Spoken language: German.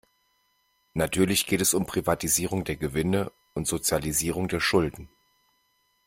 Natürlich geht es um Privatisierung der Gewinne und Sozialisierung der Schulden.